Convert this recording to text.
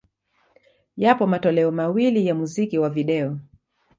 Yapo matoleo mawili ya muziki wa video.